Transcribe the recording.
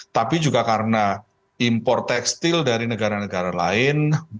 tapi juga karena impor tekstil dari negara negara lain